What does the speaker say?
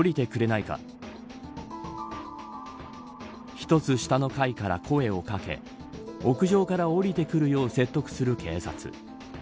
１つ下の階から声を掛け屋上から下りてくるよう説得する警察。